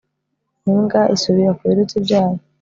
imbwa isubira ku birutsi byayo